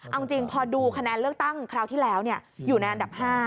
เอาจริงพอดูคะแนนเลือกตั้งคราวที่แล้วอยู่ในอันดับ๕